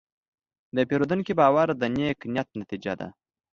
د پیرودونکي باور د نیک نیت نتیجه ده.